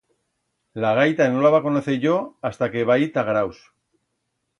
La gaita no la va conocer yo hasta que va ir ta Graus.